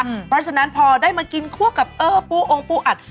เพราะฉะนั้นพอได้มากินคั่วกับปูอัด